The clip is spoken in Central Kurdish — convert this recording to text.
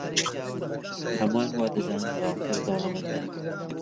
هەمووان وا دەزانن ڕاوکەر دەوڵەمەندە.